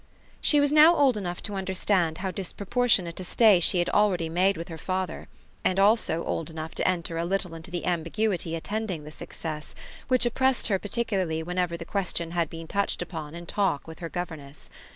She was now old enough to understand how disproportionate a stay she had already made with her father; and also old enough to enter a little into the ambiguity attending this excess, which oppressed her particularly whenever the question had been touched upon in talk with her governess.